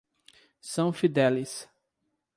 São Fidélis